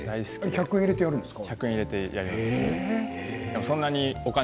１００円を入れてやるんですか。